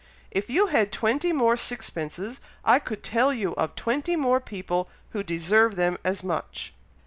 If you had twenty more sixpences, I could tell you of twenty more people who deserve them as much."